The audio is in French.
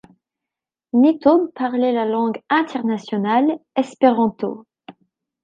Nitobe parlait la langue internationale espéranto.